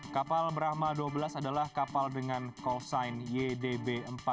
kapal brahma dua belas adalah kapal dengan callsign ydb empat ribu tujuh ratus tiga puluh satu